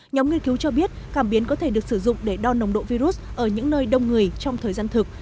nhóm nghiên cứu cho biết cảm biến có thể được sử dụng để đo nồng độ virus ở những nơi đông người trong thời gian thực